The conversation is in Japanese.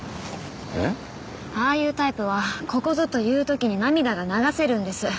えっ？ああいうタイプはここぞという時に涙が流せるんです。